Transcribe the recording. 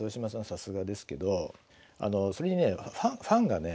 さすがですけどそれにねファンがね